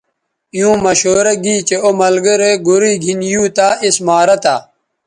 ایووں مشورہ گی چہء او یک ملگرے گورئ گِھن یُو تہ اس مارہ تھہ